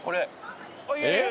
いやいや。